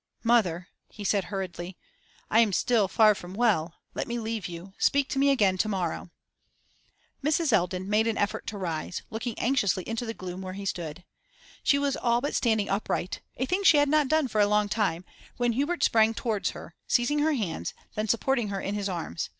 'Mother,' he said, hurriedly, 'I am still far from well. Let me leave you: speak to me again to morrow.' Mrs. Eldon made an effort to rise, looking anxiously into the gloom where he stood. She was all but standing upright a thing she had not done for a long time when Hubert sprang towards her, seizing her hands, then supporting her in his arms.